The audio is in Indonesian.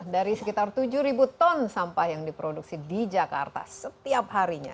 dari sekitar tujuh ton sampah yang diproduksi di jakarta setiap harinya